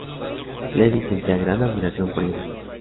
Levy sentía gran admiración por Jefferson.